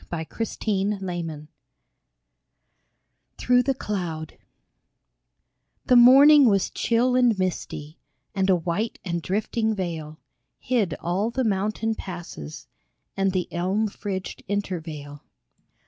40 THROUGH THE CLOUD THROUGH THE CLOUD THE morning was chill and misty, And a white and drifting veil Hid all the mountain passes And the elm fringed intervale.